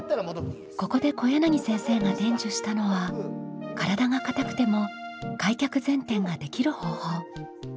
ここで小柳先生が伝授したのは体が硬くても開脚前転ができる方法。